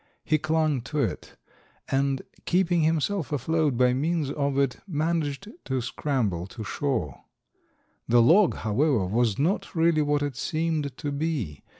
He clung to it, and, keeping himself afloat by means of it, managed to scramble to shore. The log, however, was not really what it seemed to be.